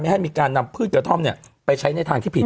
ให้มีการนำพืชกระท่อมไปใช้ในทางที่ผิด